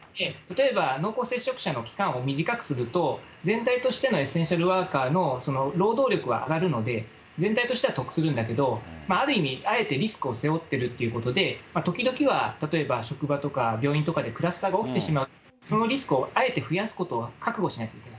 例えば濃厚接触者の期間を短くすると、全体としてのエッセンシャルワーカーの労働力は上がるので、全体としては得するんだけど、ある意味あえてリスクを背負ってるということで、時々は例えば、職場とか病院とかでクラスターが起きてしまう、そのリスクをあえて増やすことを覚悟しないと。